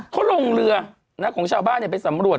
เขาลงเรือของชาวบ้านไปสำรวจ